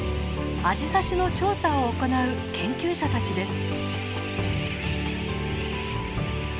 アジサシの調査を行う研究者たちです。